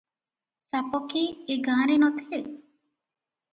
ସାପ କି ଏ ଗାଁରେ ନ ଥିଲେ?